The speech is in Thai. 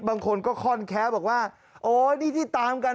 บางคนก็ค่อนแค้วบอกว่าโอ้นี่ที่ตามกัน